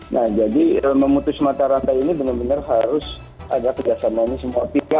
nah jadi memutus mata rantai ini benar benar harus ada kerjasama ini semua